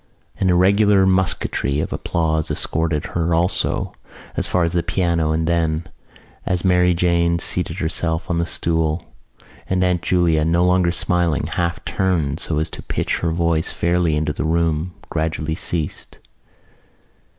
An irregular musketry of applause escorted her also as far as the piano and then, as Mary Jane seated herself on the stool, and Aunt Julia, no longer smiling, half turned so as to pitch her voice fairly into the room, gradually ceased.